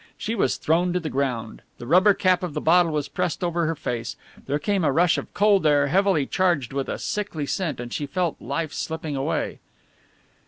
She was thrown to the ground, the rubber cap of the bottle was pressed over her face, there came a rush of cold air heavily charged with a sickly scent, and she felt life slipping away....